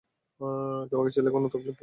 তোমার ছেলে এখনো তকলিফে রয়েছে?